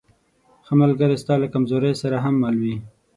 ښه ملګری ستا له کمزورۍ سره هم مل وي.